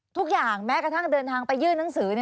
ทุกอย่างแม้กระทั่งเดินทางไปยื่นหนังสือ